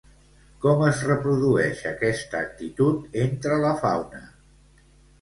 Com es reprodueix aquesta actitud entre la fauna?